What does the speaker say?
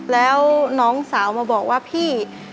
แล้วน้องสาวมาบอกว่าพี่